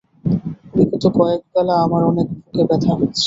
বিগত কয়েক বেলা আমার অনেক বুকে ব্যথা হচ্ছে।